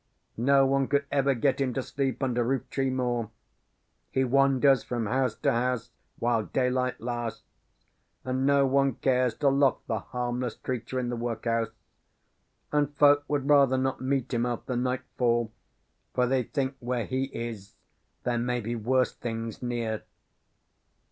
No one could ever get him to sleep under roof tree more. He wanders from house to house while daylight lasts; and no one cares to lock the harmless creature in the workhouse. And folk would rather not meet him after nightfall, for they think where he is there may be worse things near."